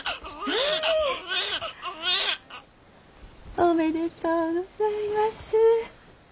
おめでとうございます。